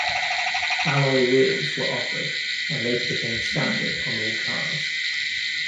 Alloy wheels were offered and later became standard on all cars.